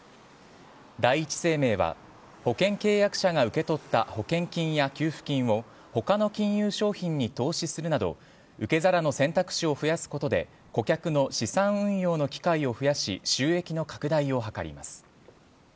第一生命は保険契約者が受け取った保険金や給付金を他の金融商品に投資するなど受け皿の選択肢を増やすことで顧客の資産運用の機会を増やし収益の拡大を図ります。